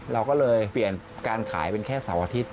เราก็เลยเปลี่ยนการขายเป็นแค่เสาร์อาทิตย์